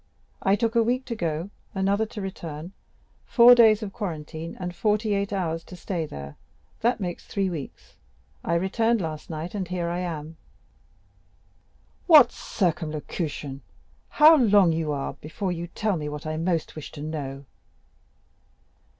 I took a week to go, another to return, four days of quarantine, and forty eight hours to stay there; that makes three weeks. I returned last night, and here I am." "What circumlocution! How long you are before you tell me what I most wish to know?"